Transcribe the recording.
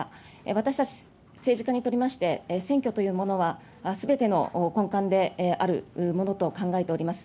私たち政治家にとりまして、選挙というものは、すべての根幹であるものと考えております。